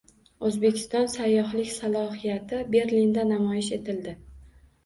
O‘zbekiston sayyohlik salohiyati Berlinda namoyish etildi